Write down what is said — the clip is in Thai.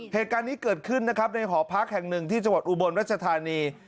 เหตุการณ์นี้เกิดขึ้นนะครับในหอพักแห่งหนึ่งที่จังหวัดอุบลรัชธานี